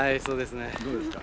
どうですか？